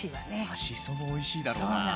あっしそもおいしいだろうな。